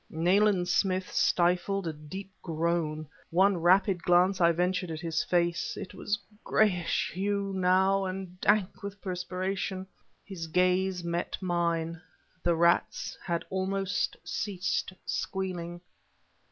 Nayland Smith stifled a deep groan. One rapid glance I ventured at his face. It was a grayish hue, now, and dank with perspiration. His gaze met mine. The rats had almost ceased squealing.